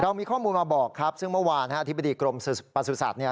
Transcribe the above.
มีข้อมูลมาบอกครับซึ่งเมื่อวานอธิบดีกรมประสุทธิ์เนี่ย